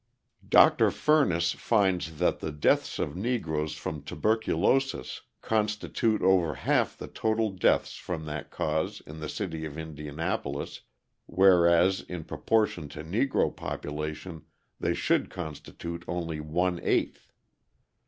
Dr. Furniss finds that the deaths of Negroes from tuberculosis constitute over half the total deaths from that cause in the city of Indianapolis, whereas, in proportion to Negro population, they should constitute only one eighth.